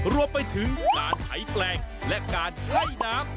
รวมไปถึงการไถแปลงและการไล่น้ำ